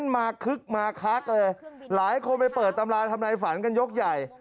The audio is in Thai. คึกมาคักเลยหลายคนไปเปิดตำราทำนายฝันกันยกใหญ่